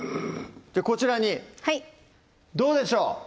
こちらにどうでしょう！